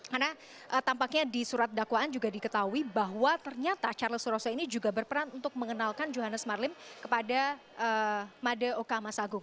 karena tampaknya di surat dakwaan juga diketahui bahwa ternyata charles suroso ini juga berperan untuk mengenalkan johannes marlim kepada made okama sagung